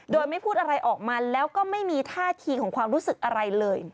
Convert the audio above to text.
โดยไม่พูดอะไรออกมาแล้วก็ไม่มีท่าทีของความรู้สึกอะไรเลย